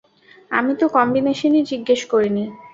আমি তো কম্বিনেশন-ই জিজ্ঞেস করিনি।